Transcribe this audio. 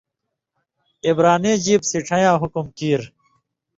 عِبرانی ژیب سِڇھَین٘یاں حُکم کیریۡ